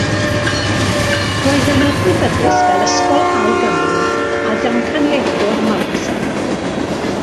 Roedd yn adnabyddus fel ysgolhaig amlwg a damcaniaethwr Marcsaidd.